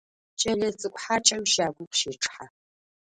Кӏэлэцӏыкӏу хьакӏэм щагум къыщечъыхьэ.